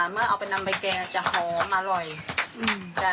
เมื่อเอาไปนำไปแกงจะหอมอร่อย